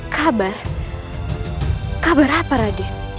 kabar kabar apa raden